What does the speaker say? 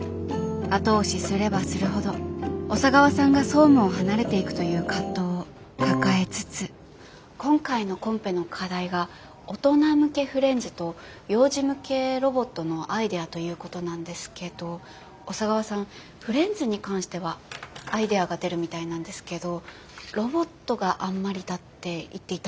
後押しすればするほど小佐川さんが総務を離れていくという葛藤を抱えつつ今回のコンペの課題が大人向けフレンズと幼児向けロボットのアイデアということなんですけど小佐川さんフレンズに関してはアイデアが出るみたいなんですけどロボットがあんまりだって言っていたんです。